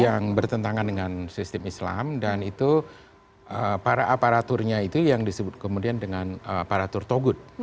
yang bertentangan dengan sistem islam dan itu para aparaturnya itu yang disebut kemudian dengan aparatur togut